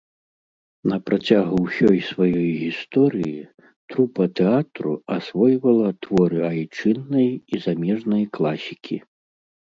На працягу ўсёй сваёй гісторыі трупа тэатру асвойвала творы айчыннай і замежнай класікі.